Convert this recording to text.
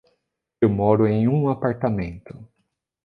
Eu moro em um apartamento.